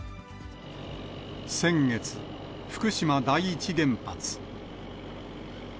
先月、福島第一原発。